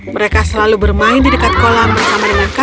mereka berades sendiri bermain di dekat kolam dengan katak putri wijake